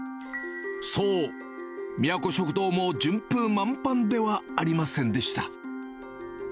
そう、みやこ食堂も順風満帆ではありませんでした。